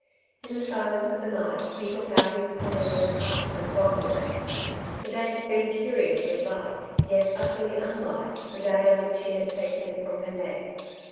In the silence of the night he took out his cornelian heart and fondled it. The day had been curiously like, yet utterly unlike, the day on which she had taken it from her neck.